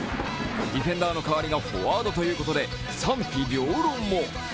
ディフェンダーの代わりがフォワードということで賛否両論も。